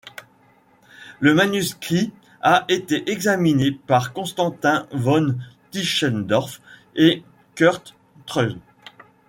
Le manuscrit a été examiné par Constantin von Tischendorf, et Kurt Treu.